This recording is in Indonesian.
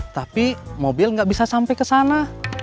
tapi mobil nggak bisa sampai ke sana